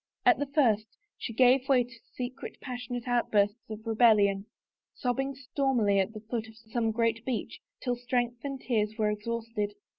At the first she gave way to secret, passionate outbursts of rebellion, sobbing stormily at the foot of some great beech till strength and tears were exhausted.